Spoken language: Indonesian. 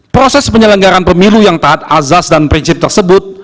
proses penyelenggaran pemilu yang taat azas dan prinsip tersebut